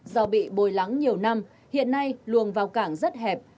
do bị bồi lắng nhiều năm hiện nay luồng vào cảng rất hẹp